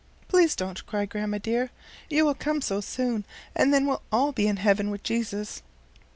Please don't cry, Grandma, dear. You will come so soon, and then we'll all be in heaven with Jesus."